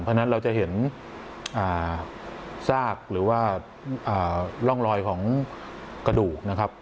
เพราะฉะนั้นเราจะเห็นซากหรือว่าร่องรอยของกระดูกนะครับ